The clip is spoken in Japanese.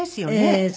ええ。